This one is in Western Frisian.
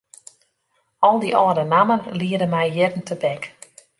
Al dy âlde nammen liede my jierren tebek.